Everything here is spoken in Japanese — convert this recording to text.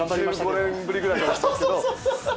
１５年ぶりぐらいかもしれないですけど。